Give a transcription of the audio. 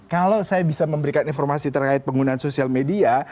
kalau saya bisa memberikan informasi terkait penggunaan sosial media